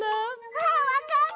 あっわかった！